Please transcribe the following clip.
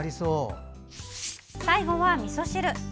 最後は、みそ汁。